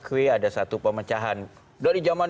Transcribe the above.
kalau kita di bahkan pemerintah kita yangtps sebagai danur bamaran